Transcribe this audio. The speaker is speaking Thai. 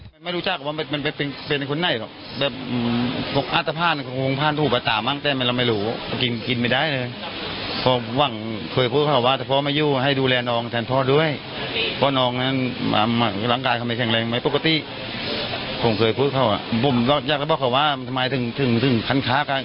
ผมเคยพูดเข้าผมอยากจะบอกว่าทำไมถึงขั้นค้า